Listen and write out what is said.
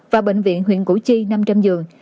và bệnh viện huyện củ chi năm trăm linh giường